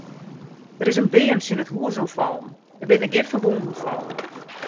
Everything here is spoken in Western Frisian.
Der is in beam tsjin in hús oan fallen, der binne gjin ferwûnen fallen.